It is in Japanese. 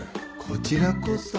こちらこそ。